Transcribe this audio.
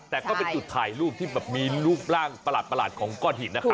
แต่ก็เป็นจุดถ่ายรูปที่แบบมีรูปร่างประหลาดของก้อนหินนะครับ